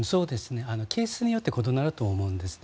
ケースによって異なると思うんですね。